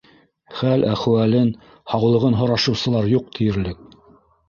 Хәл-әхүәлен, һаулығын һорашыусылар юҡ тиерлек.